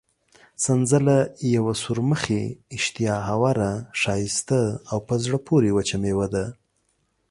سنځله یوه سورمخې، اشتها اوره، ښایسته او په زړه پورې وچه مېوه ده.